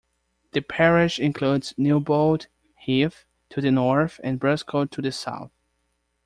The parish includes Newbold Heath to the north and Brascote to the south.